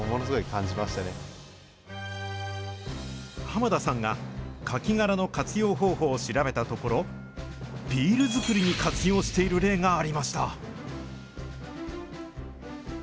濱田さんがカキ殻の活用方法を調べたところ、ビール造りに活用している例がありました。